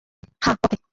হ্যাঁ - ওকে।